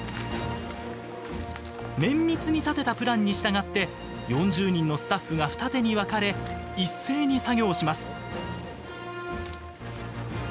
綿密に立てたプランに従って４０人のスタッフが二手に分かれ一斉に作業します。